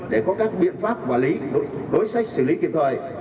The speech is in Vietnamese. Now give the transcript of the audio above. để có các biện pháp và đối sách xử lý kịp thời